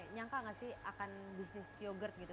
nyangka gak sih akan bisnis yogurt gitu